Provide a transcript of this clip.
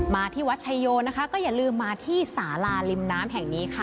ที่วัดชายโยนะคะก็อย่าลืมมาที่สาลาริมน้ำแห่งนี้ค่ะ